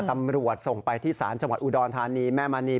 ตำรวจส่งไปที่ศาลจังหวัดอุดรธานีแม่มณี